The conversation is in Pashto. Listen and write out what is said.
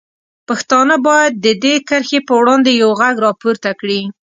پښتانه باید د دې کرښې په وړاندې یوغږ راپورته کړي.